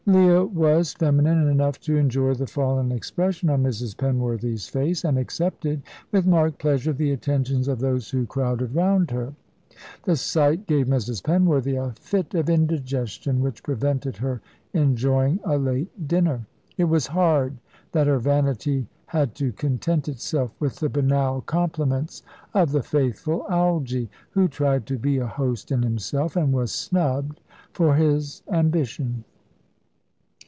Leah was feminine enough to enjoy the fallen expression on Mrs. Penworthy's face, and accepted with marked pleasure the attentions of those who crowded round her. The sight gave Mrs. Penworthy a fit of indigestion, which prevented her enjoying a late dinner. It was hard that her vanity had to content itself with the banal compliments of the faithful Algy, who tried to be a host in himself, and was snubbed for his ambition.